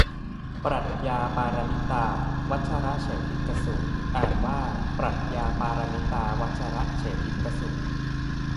ปรัชญาปารมิตาวัชรเฉทิกสูตร อ่านว่าปรัดยาปาระมิตา วัดชะระเฉทิกะสูด